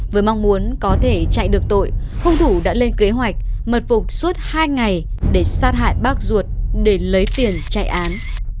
với mong muốn có thể chạy được tội hung thủ đã lên kế hoạch mật phục suốt hai ngày để sát hại bác ruột để lấy tiền chạy án